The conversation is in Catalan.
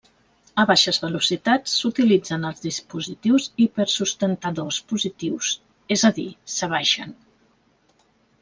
A baixes velocitats, s'utilitzen els dispositius hipersustentadors positius, és a dir, s'abaixen.